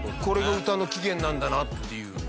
これが歌の起源なんだなっていう。